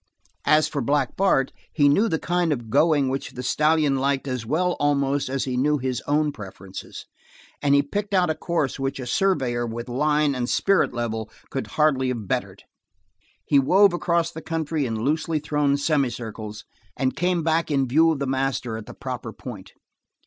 As for Black Bart, he knew the kind of going which the stallion liked as well, almost, as he knew his own preferences, and he picked out a course which a surveyor with line and spirit level could hardly have bettered. He wove across the country in loosely thrown semicircles, and came back in view of the master at the proper point.